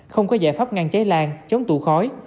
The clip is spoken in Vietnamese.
không có giải pháp ngăn cháy lan chống tụ khói